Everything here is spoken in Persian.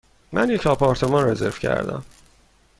من یک آپارتمان رزرو کردم.